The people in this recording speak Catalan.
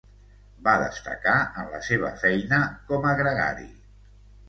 Va destacar en la seva feina com a gregari.